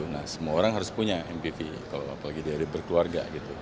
nah semua orang harus punya mpv apalagi dari berkeluarga gitu